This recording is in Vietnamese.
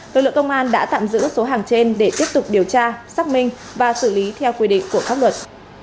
lực lượng công an đã tạm giữ số hàng trên để tiếp tục điều tra xác minh và xử lý theo quy định của pháp luật